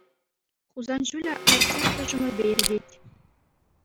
Хусан ҫулӗ райцентр ҫумӗпе иртет.